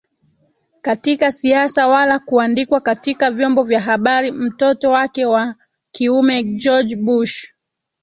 katika siasa wala kuandikwa katika vyombo vya habari Mtoto wake wa kiume George Bush